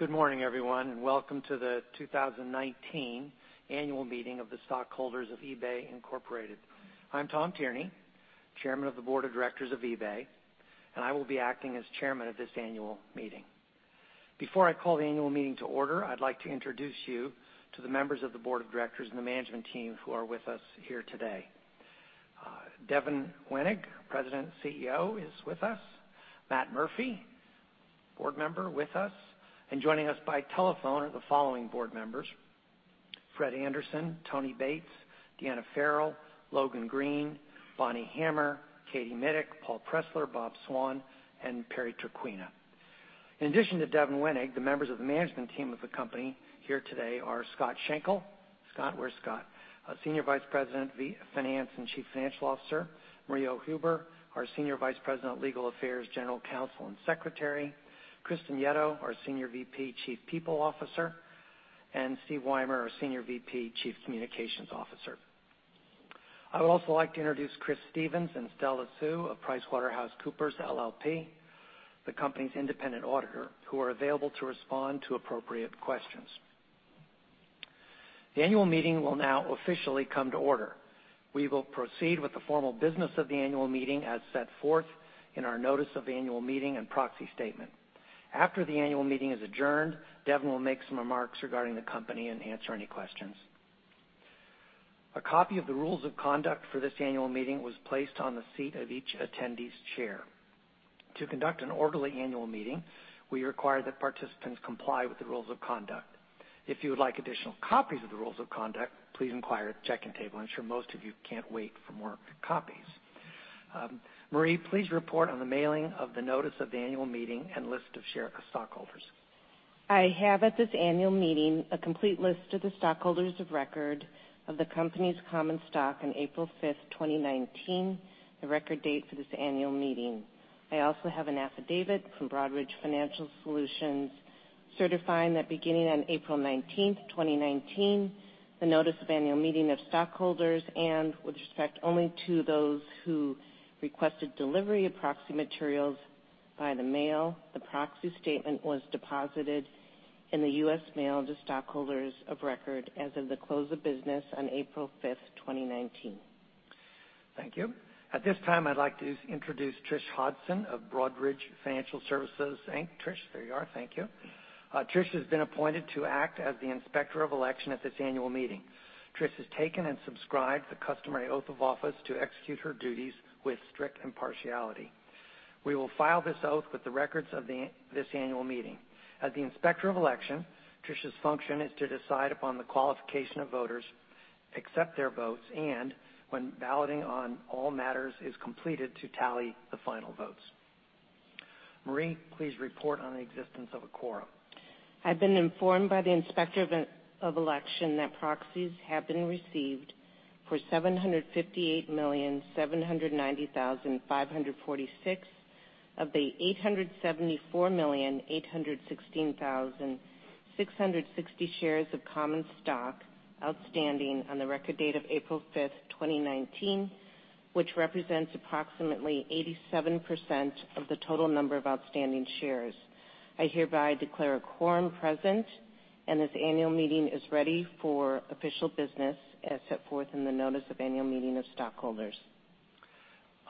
Good morning, everyone, and welcome to the 2019 annual meeting of the stockholders of eBay Inc. I'm Tom Tierney, Chairman of the Board of Directors of eBay Inc., and I will be acting as chairman of this annual meeting. Before I call the annual meeting to order, I'd like to introduce you to the members of the board of directors and the management team who are with us here today. Devin Wenig, President and CEO, is with us. Matt Murphy, board member, with us. Joining us by telephone are the following board members: Fred Anderson, Tony Bates, Diana Farrell, Logan Green, Bonnie Hammer, Katie Mitic, Paul Pressler, Bob Swan, and Perry Traquina. In addition to Devin Wenig, the members of the management team of the company here today are Scott Schenkel, Senior Vice President of Finance and Chief Financial Officer. Marie Oh Huber, our Senior Vice President, Legal Affairs, General Counsel, and Secretary. Kristin Yetto, our Senior VP Chief People Officer. Steve Wymer, our Senior VP, Chief Communications Officer. I would also like to introduce Chris Stevens and Stella Sue of PricewaterhouseCoopers LLP, the company's independent auditor, who are available to respond to appropriate questions. The annual meeting will now officially come to order. We will proceed with the formal business of the annual meeting as set forth in our notice of the annual meeting and proxy statement. After the annual meeting is adjourned, Devin will make some remarks regarding the company and answer any questions. A copy of the rules of conduct for this annual meeting was placed on the seat of each attendee's chair. To conduct an orderly annual meeting, we require that participants comply with the rules of conduct. If you would like additional copies of the rules of conduct, please inquire at the check-in table. I'm sure most of you can't wait for more copies. Marie, please report on the mailing of the notice of the annual meeting and list of stockholders. I have at this annual meeting a complete list of the stockholders of record of the company's common stock on April 5th, 2019, the record date for this annual meeting. I also have an affidavit from Broadridge Financial Solutions, Inc. certifying that beginning on April 19th, 2019, the notice of annual meeting of stockholders and with respect only to those who requested delivery of proxy materials by the mail. The proxy statement was deposited in the U.S. Mail to stockholders of record as of the close of business on April 5th, 2019. Thank you. At this time, I'd like to introduce Trish Hodson of Broadridge Financial Solutions, Inc. Trish, there you are. Thank you. Trish has been appointed to act as the Inspector of Election at this annual meeting. Trish has taken and subscribed the customary oath of office to execute her duties with strict impartiality. We will file this oath with the records of this annual meeting. As the Inspector of Election, Trish's function is to decide upon the qualification of voters, accept their votes, and when balloting on all matters is completed, to tally the final votes. Marie, please report on the existence of a quorum. I've been informed by the Inspector of Election that proxies have been received for 758,790,546 of the 874,816,660 shares of common stock outstanding on the record date of April 5th, 2019, which represents approximately 87% of the total number of outstanding shares. I hereby declare a quorum present, and this annual meeting is ready for official business as set forth in the notice of annual meeting of stockholders.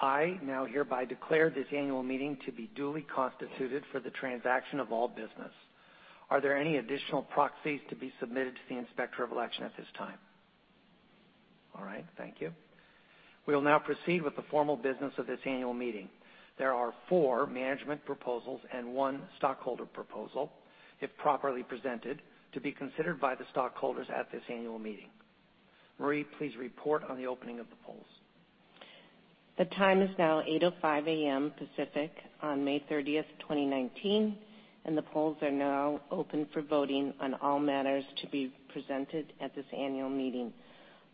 I now hereby declare this annual meeting to be duly constituted for the transaction of all business. Are there any additional proxies to be submitted to the Inspector of Election at this time? All right. Thank you. We will now proceed with the formal business of this annual meeting. There are four management proposals and one stockholder proposal, if properly presented, to be considered by the stockholders at this annual meeting. Marie, please report on the opening of the polls. The time is now 8:05 A.M. Pacific on May 30th, 2019, and the polls are now open for voting on all matters to be presented at this annual meeting.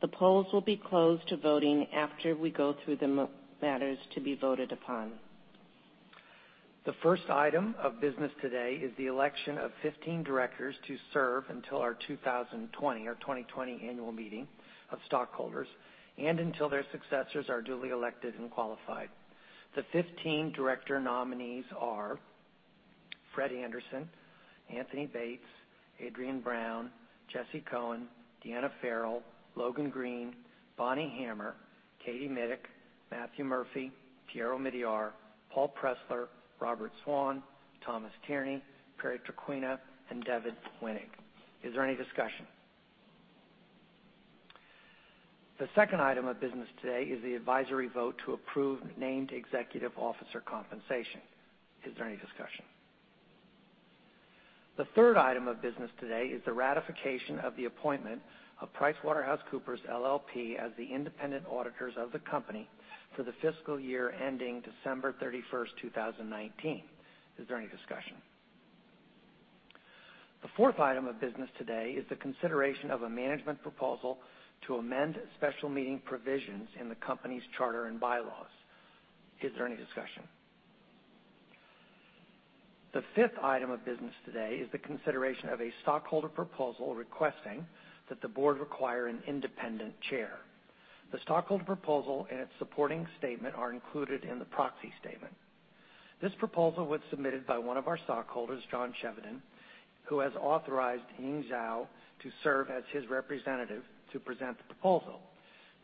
The polls will be closed to voting after we go through the matters to be voted upon. The first item of business today is the election of 15 directors to serve until our 2020 annual meeting of stockholders and until their successors are duly elected and qualified. The 15 director nominees are Fred Anderson, Anthony Bates, Adriane Brown, Jesse Cohn, Diana Farrell, Logan Green, Bonnie Hammer, Kathleen Mitic, Matthew Murphy, Pierre Omidyar, Paul Pressler, Robert Swan, Thomas Tierney, Perry Traquina, and Devin Wenig. Is there any discussion? The second item of business today is the advisory vote to approve named executive officer compensation. Is there any discussion? The third item of business today is the ratification of the appointment of PricewaterhouseCoopers LLP as the independent auditors of the company for the fiscal year ending December 31st, 2019. Is there any discussion? The fourth item of business today is the consideration of a management proposal to amend special meeting provisions in the company's charter and bylaws. Is there any discussion? The fifth item of business today is the consideration of a stockholder proposal requesting that the board require an independent chair. The stockholder proposal and its supporting statement are included in the proxy statement. This proposal was submitted by one of our stockholders, John Chevedden, who has authorized Ying Zhou to serve as his representative to present the proposal.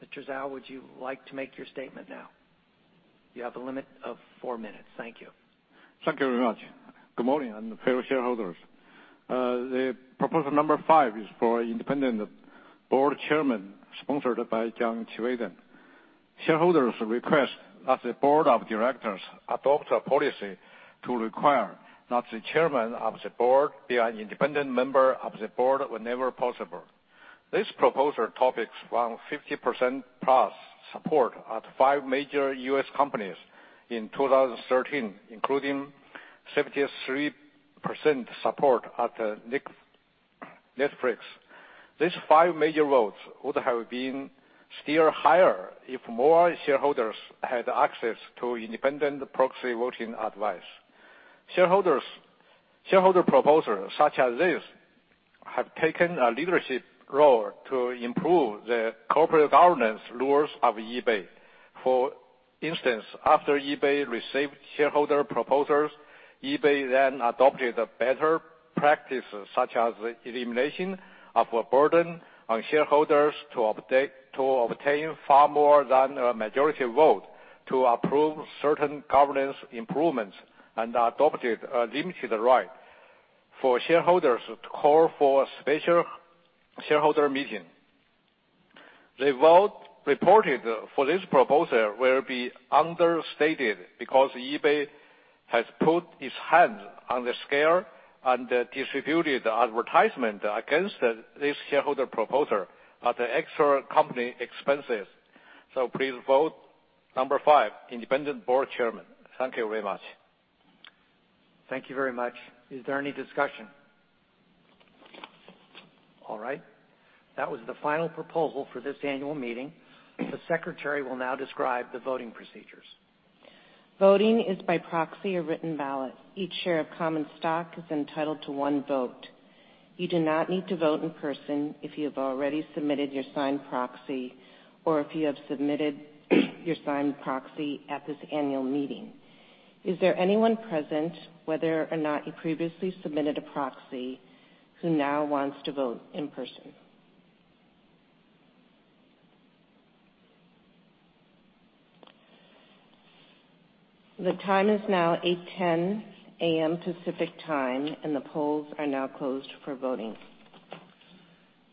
Mr. Zhou, would you like to make your statement now? You have a limit of four minutes. Thank you. Thank you very much. Good morning, fellow shareholders. Proposal number 5 is for independent board chairman, sponsored by John Chevedden. Shareholders request that the board of directors adopt a policy to require that the chairman of the board be an independent member of the board whenever possible. This proposal topics around 50% plus support at five major U.S. companies in 2013, including 73% support at Netflix. These five major votes would have been still higher if more shareholders had access to independent proxy voting advice. Shareholder proposals such as this have taken a leadership role to improve the corporate governance rules of eBay. For instance, after eBay received shareholder proposals, eBay then adopted better practices, such as elimination of a burden on shareholders to obtain far more than a majority vote to approve certain governance improvements and adopted a limited right for shareholders to call for a special shareholder meeting. The vote reported for this proposal will be understated because eBay has put its hands on the scale and distributed advertisement against this shareholder proposal at the extra company expenses. Please vote number 5, independent board chairman. Thank you very much. Thank you very much. Is there any discussion? All right. That was the final proposal for this annual meeting. The secretary will now describe the voting procedures. Voting is by proxy or written ballot. Each share of common stock is entitled to one vote. You do not need to vote in person if you have already submitted your signed proxy or if you have submitted your signed proxy at this annual meeting. Is there anyone present, whether or not you previously submitted a proxy, who now wants to vote in person? The time is now 8:10 A.M. Pacific Time. The polls are now closed for voting.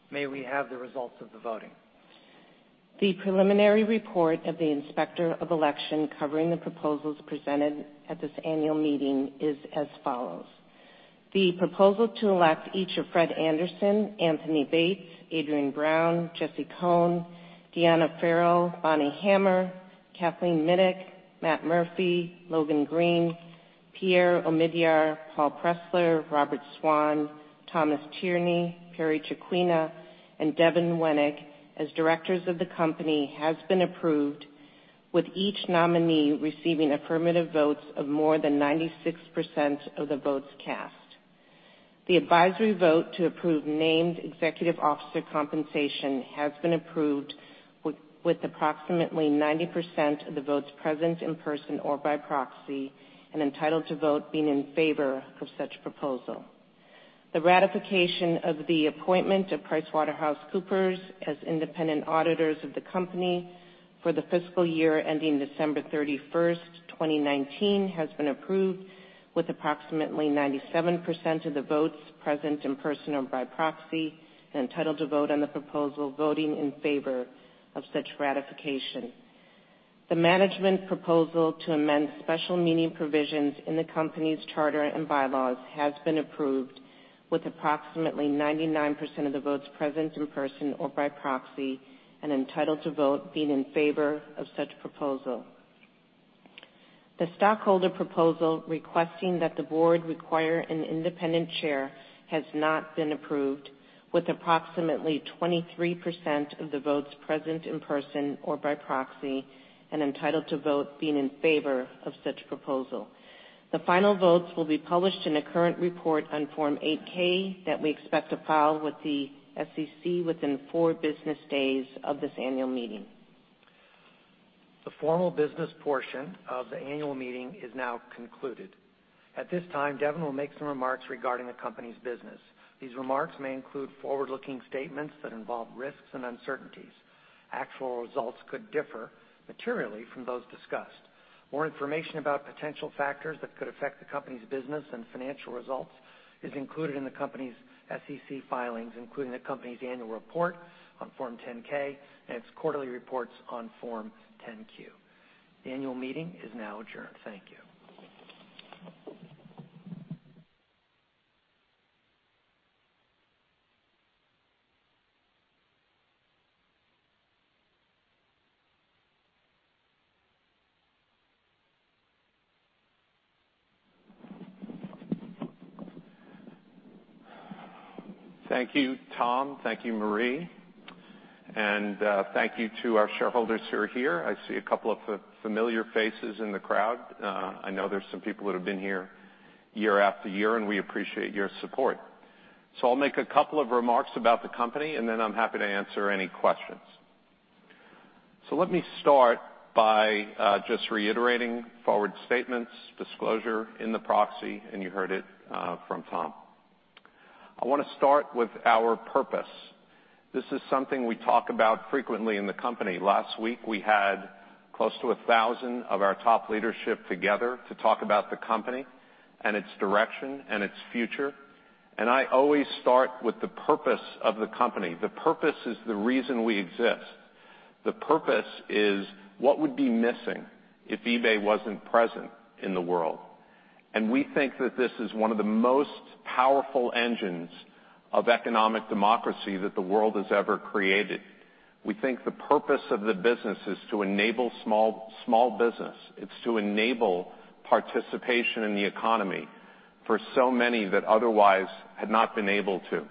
May we have the results of the voting? The preliminary report of the Inspector of Election covering the proposals presented at this annual meeting is as follows. The proposal to elect each of Fred Anderson, Anthony Bates, Adriane Brown, Jesse Cohn, Diana Farrell, Bonnie Hammer, Kathleen Mitic, Matt Murphy, Logan Green, Pierre Omidyar, Paul Pressler, Robert Swan, Thomas Tierney, Perry Traquina, and Devin Wenig as directors of the company has been approved, with each nominee receiving affirmative votes of more than 96% of the votes cast. The advisory vote to approve named executive officer compensation has been approved with approximately 90% of the votes present in person or by proxy and entitled to vote being in favor of such proposal. The ratification of the appointment of PricewaterhouseCoopers as independent auditors of the company for the fiscal year ending December 31st, 2019, has been approved with approximately 97% of the votes present in person or by proxy and entitled to vote on the proposal voting in favor of such ratification. The management proposal to amend special meeting provisions in the company's charter and bylaws has been approved with approximately 99% of the votes present in person or by proxy and entitled to vote being in favor of such proposal. The stockholder proposal requesting that the board require an independent chair has not been approved with approximately 23% of the votes present in person or by proxy and entitled to vote being in favor of such proposal. The final votes will be published in a current report on Form 8-K that we expect to file with the SEC within four business days of this annual meeting. The formal business portion of the annual meeting is now concluded. At this time, Devin will make some remarks regarding the company's business. These remarks may include forward-looking statements that involve risks and uncertainties. Actual results could differ materially from those discussed. More information about potential factors that could affect the company's business and financial results is included in the company's SEC filings, including the company's annual report on Form 10-K and its quarterly reports on Form 10-Q. The annual meeting is now adjourned. Thank you. Thank you, Tom. Thank you, Marie, and thank you to our shareholders who are here. I see a couple of familiar faces in the crowd. I know there's some people that have been here year after year, and we appreciate your support. I'll make a couple of remarks about the company, and then I'm happy to answer any questions. Let me start by just reiterating forward statements disclosure in the proxy, and you heard it from Tom. I want to start with our purpose. This is something we talk about frequently in the company. Last week, we had close to 1,000 of our top leadership together to talk about the company and its direction and its future. I always start with the purpose of the company. The purpose is the reason we exist. The purpose is what would be missing if eBay wasn't present in the world. We think that this is one of the most powerful engines of economic democracy that the world has ever created. We think the purpose of the business is to enable small business. It's to enable participation in the economy for so many that otherwise had not been able to.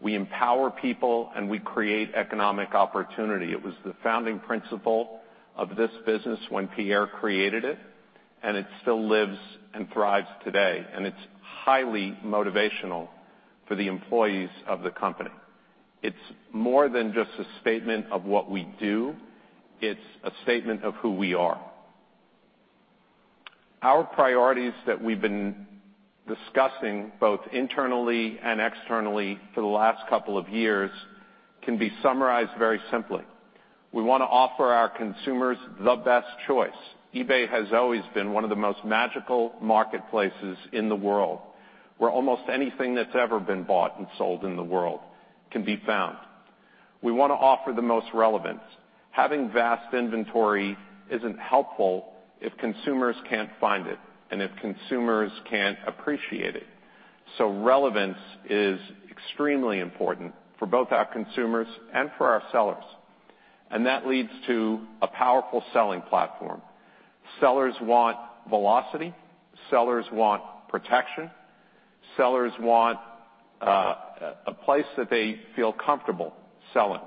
We empower people, and we create economic opportunity. It was the founding principle of this business when Pierre created it, and it still lives and thrives today, and it's highly motivational for the employees of the company. It's more than just a statement of what we do. It's a statement of who we are. Our priorities that we've been discussing both internally and externally for the last couple of years can be summarized very simply. We want to offer our consumers the best choice. eBay has always been one of the most magical marketplaces in the world, where almost anything that's ever been bought and sold in the world can be found. We want to offer the most relevance. Having vast inventory isn't helpful if consumers can't find it and if consumers can't appreciate it. Relevance is extremely important for both our consumers and for our sellers. That leads to a powerful selling platform. Sellers want velocity. Sellers want protection. Sellers want a place that they feel comfortable selling.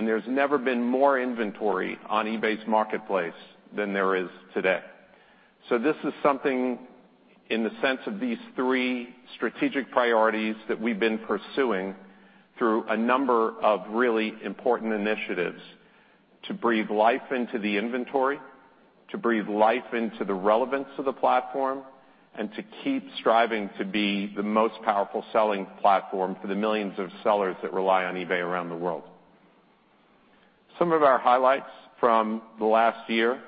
There's never been more inventory on eBay's marketplace than there is today. This is something in the sense of these three strategic priorities that we've been pursuing through a number of really important initiatives to breathe life into the inventory, to breathe life into the relevance of the platform, and to keep striving to be the most powerful selling platform for the millions of sellers that rely on eBay around the world. Some of our highlights from the last year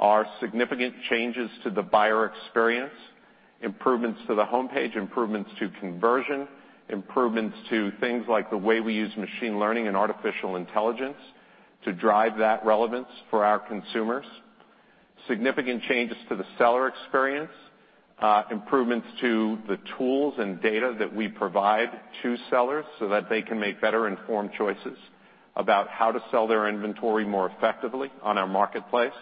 are significant changes to the buyer experience, improvements to the homepage, improvements to conversion, improvements to things like the way we use machine learning and artificial intelligence to drive that relevance for our consumers. Significant changes to the seller experience, improvements to the tools and data that we provide to sellers so that they can make better-informed choices about how to sell their inventory more effectively on our marketplace.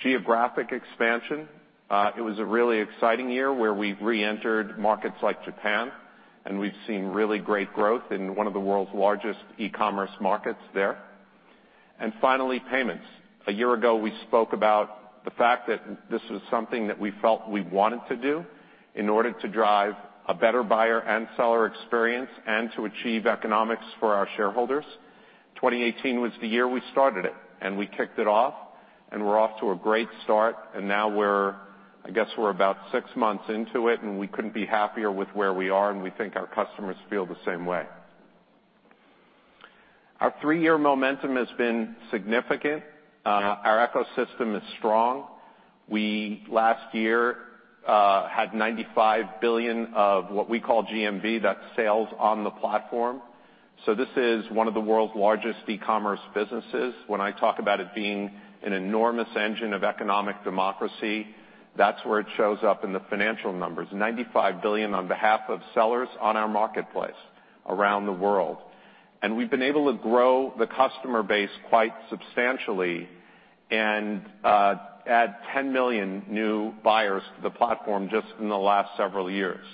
Geographic expansion. It was a really exciting year where we reentered markets like Japan. We've seen really great growth in one of the world's largest e-commerce markets there. Finally, payments. A year ago, we spoke about the fact that this was something that we felt we wanted to do in order to drive a better buyer and seller experience and to achieve economics for our shareholders. 2018 was the year we started it. We kicked it off. We're off to a great start. Now I guess we're about six months into it. We couldn't be happier with where we are. We think our customers feel the same way. Our three-year momentum has been significant. Our ecosystem is strong. We, last year, had $95 billion of what we call GMV, that's sales on the platform. This is one of the world's largest e-commerce businesses. When I talk about it being an enormous engine of economic democracy, that's where it shows up in the financial numbers, $95 billion on behalf of sellers on our marketplace around the world. We've been able to grow the customer base quite substantially and add 10 million new buyers to the platform just in the last several years.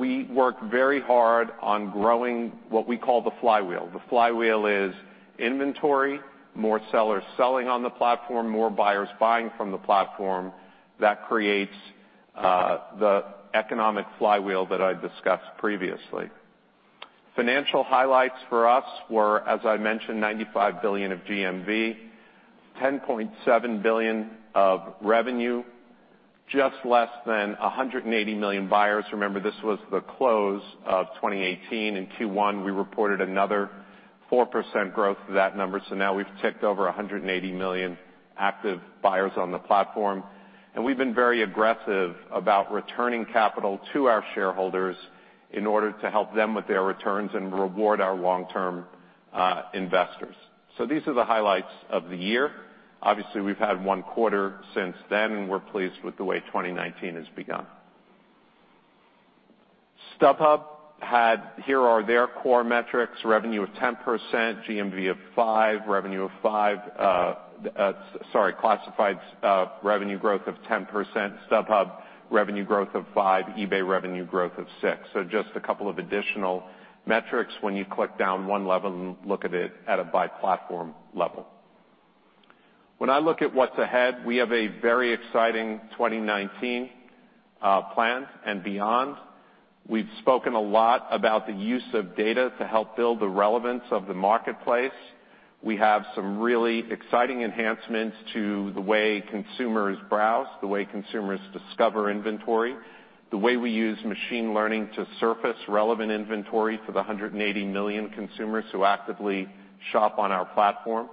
We work very hard on growing what we call the flywheel. The flywheel is inventory, more sellers selling on the platform, more buyers buying from the platform. That creates the economic flywheel that I discussed previously. Financial highlights for us were, as I mentioned, $95 billion of GMV, $10.7 billion of revenue, just less than 180 million buyers. Remember, this was the close of 2018. In Q1, we reported another 4% growth to that number, so now we've ticked over 180 million active buyers on the platform. We've been very aggressive about returning capital to our shareholders in order to help them with their returns and reward our long-term investors. These are the highlights of the year. Obviously, we've had one quarter since then, and we're pleased with the way 2019 has begun. StubHub had. Here are their core metrics, revenue of 10%, GMV of 5%, revenue of 5%. Sorry, classified revenue growth of 10%, StubHub revenue growth of 5%, eBay revenue growth of 6%. Just a couple of additional metrics when you click down one level and look at it at a by-platform level. When I look at what's ahead, we have a very exciting 2019 plan and beyond. We've spoken a lot about the use of data to help build the relevance of the marketplace. We have some really exciting enhancements to the way consumers browse, the way consumers discover inventory, the way we use machine learning to surface relevant inventory for the 180 million consumers who actively shop on our platform.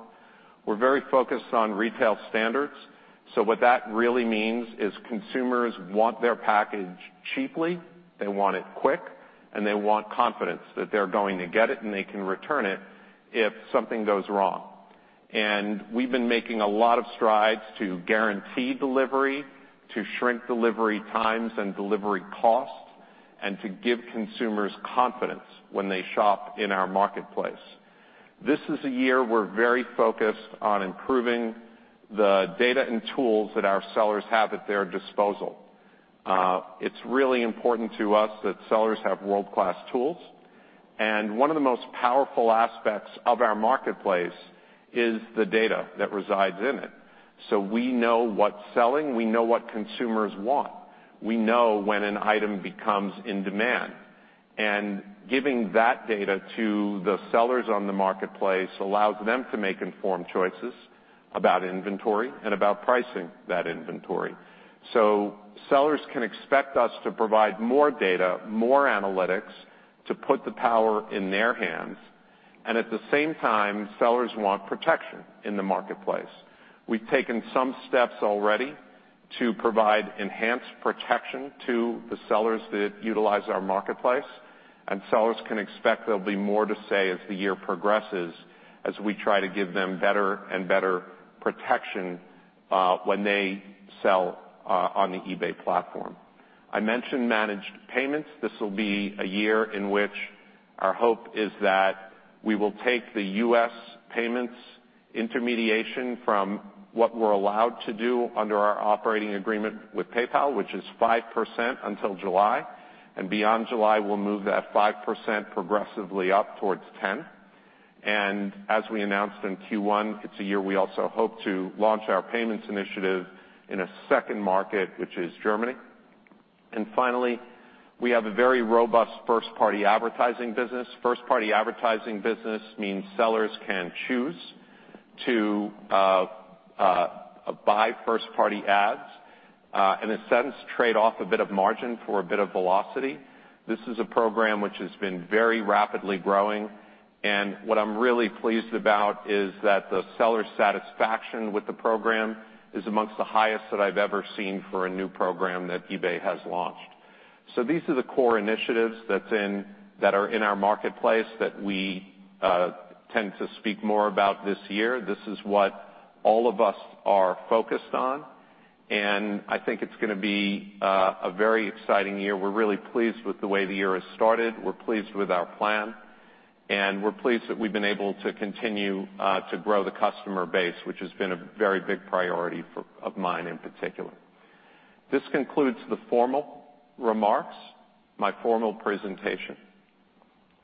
We're very focused on retail standards. What that really means is consumers want their package cheaply, they want it quick, and they want confidence that they're going to get it, and they can return it if something goes wrong. We've been making a lot of strides to guarantee delivery, to shrink delivery times and delivery cost, and to give consumers confidence when they shop in our marketplace. This is a year we're very focused on improving the data and tools that our sellers have at their disposal. It's really important to us that sellers have world-class tools. One of the most powerful aspects of our marketplace is the data that resides in it. We know what's selling, we know what consumers want. We know when an item becomes in demand. Giving that data to the sellers on the marketplace allows them to make informed choices about inventory and about pricing that inventory. Sellers can expect us to provide more data, more analytics to put the power in their hands. At the same time, sellers want protection in the marketplace. We've taken some steps already to provide enhanced protection to the sellers that utilize our marketplace, and sellers can expect there'll be more to say as the year progresses, as we try to give them better and better protection when they sell on the eBay platform. I mentioned managed payments. This will be a year in which our hope is that we will take the U.S. payments intermediation from what we're allowed to do under our operating agreement with PayPal, which is 5% until July. Beyond July, we'll move that 5% progressively up towards 10. As we announced in Q1, it's a year we also hope to launch our payments initiative in a second market, which is Germany. Finally, we have a very robust first-party advertising business. First-party advertising business means sellers can choose to buy first-party ads, in a sense, trade off a bit of margin for a bit of velocity. This is a program which has been very rapidly growing, and what I'm really pleased about is that the seller satisfaction with the program is amongst the highest that I've ever seen for a new program that eBay has launched. These are the core initiatives that are in our marketplace that we tend to speak more about this year. This is what all of us are focused on, and I think it's going to be a very exciting year. We're really pleased with the way the year has started. We're pleased with our plan, and we're pleased that we've been able to continue to grow the customer base, which has been a very big priority of mine in particular. This concludes the formal remarks, my formal presentation.